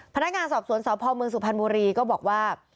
พนักงานสอบสวนสพเมืองสุพรรณบุรีก็บอกว่า